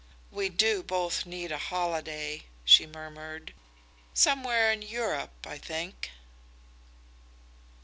"We do both need a holiday," she murmured. "Somewhere in Europe, I think."